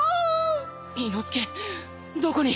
伊之助どこに！？